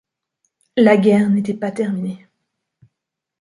La guerre n’était pas terminée